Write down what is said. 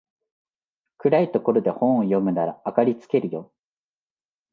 暗いところで本を読むなら明かりつけるよ